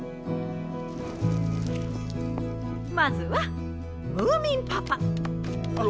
まずはムーミンパパ。